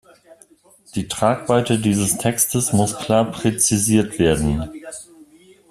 Die Tragweite dieses Textes muss klar präzisiert werden.